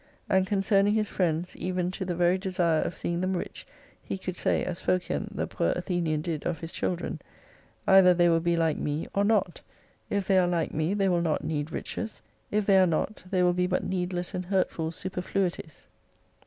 And concerning his friends even to the very desire of see ing them rich, he could say, as Phocion the poor Athenian did of his children : Either they will be like me or not ; if they are like me they will ttot need riches ; if they are not they will be but needless and hurtful superfluities.